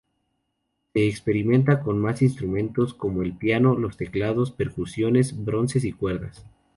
Se experimenta con más instrumentos como el piano, los teclados, percusiones, bronces, y cuerdas.